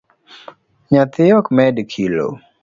Nyathi ok med kilo?